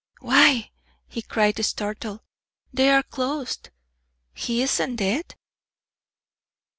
"Why," he cried, startled, "they are closed! He isn't dead?"